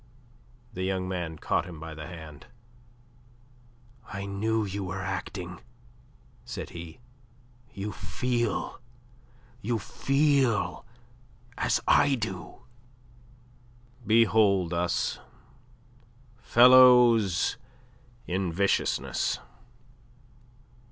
The young man caught him by the hand. "I knew you were acting," said he. "You feel you feel as I do." "Behold us, fellows in viciousness.